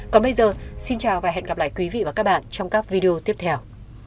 còn bây giờ xin chào và hẹn gặp lại các bạn trong các video tiếp theo